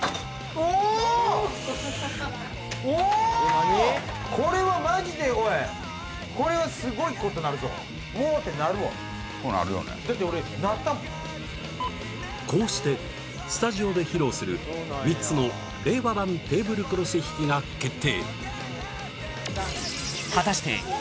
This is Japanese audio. おおっこれなるよねこうしてスタジオで披露する３つの令和版テーブルクロス引きが決定